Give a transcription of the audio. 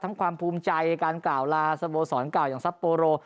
ทั้งความภูมิใจการกล่าวลาสะโบสอนกล่าวอย่างซัปโปรโร